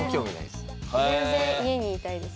全然家にいたいです。